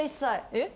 えっ？